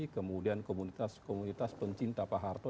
kemudian komunitas komunitas pencinta pak harto